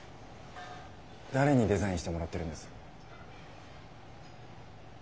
誰に「デザイン」してもらってるんです？